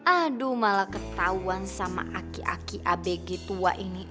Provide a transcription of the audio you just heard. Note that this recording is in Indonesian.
aduh malah ketahuan sama aki aki abg tua ini